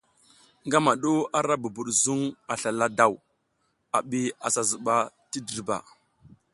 Ngama du ara bubud zuŋ a slala daw, a bi a sa zuɓa ti dirba.